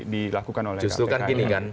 dilakukan oleh justru kan gini kan